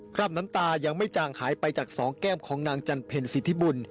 ราบน้ำตายังไม่จางหายไปจากสองแก้มของนางจันเพ็ญสิทธิบุญ